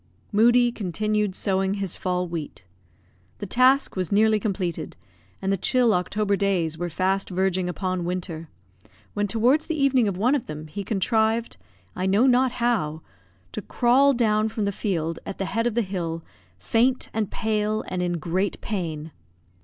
Moodie continued sowing his fall wheat. The task was nearly completed, and the chill October days were fast verging upon winter, when towards the evening of one of them he contrived I know not how to crawl down from the field at the head of the hill, faint and pale, and in great pain.